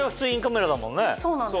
そうなんです。